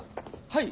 はい！